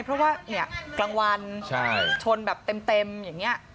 เพราะว่ากลางวันชนแบบเต็มอย่างนี้